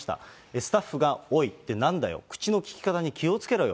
スタッフが、おいってなんだよ、口のきき方に気をつけろよ。